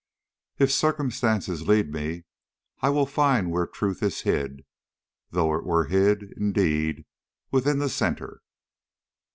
If circumstances lead me, I will find Where truth is hid, though it were hid, indeed, Within the centre.